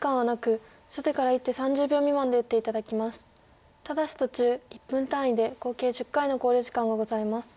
ただし途中１分単位で合計１０回の考慮時間がございます。